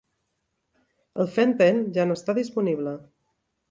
El fen-phen ja no està disponible.